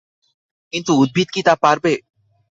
কিন্তু উদ্ভিদ কি তা পারবে?